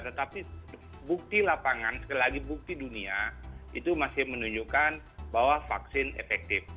tetapi bukti lapangan sekali lagi bukti dunia itu masih menunjukkan bahwa vaksin efektif